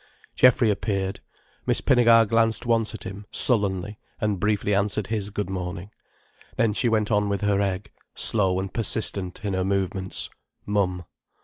Geoffrey appeared. Miss Pinnegar glanced once at him, sullenly, and briefly answered his good morning. Then she went on with her egg, slow and persistent in her movements, mum.